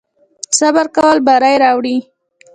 صبر کول بری راوړي